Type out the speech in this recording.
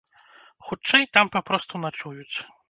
Хутчэй, там папросту начуюць.